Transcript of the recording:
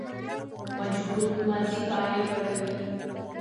مجهول ماضي فاعل پټوي.